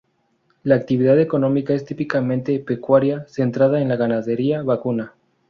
La actividad económica es típicamente pecuaria, centrada en la ganadería vacuna.